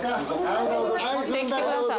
持ってきてください。